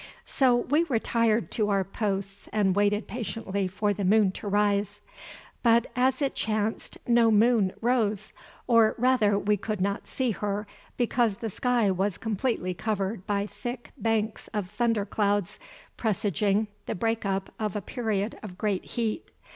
So we retired to our posts and waited patiently for the moon to rise. But as it chanced no moon rose, or rather we could not see her, because the sky was completely covered by thick banks of thunder clouds presaging the break up of a period of great heat.